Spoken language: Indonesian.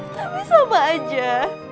tapi sama aja